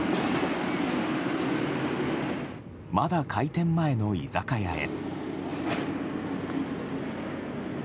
まだ開店前の居酒屋へ。